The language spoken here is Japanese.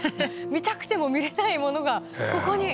見たくても見れないものがここに。